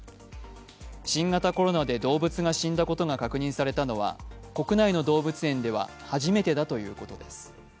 新型コロナで動物が死んだことが確認されたのは国内の動物園では初めてだということです。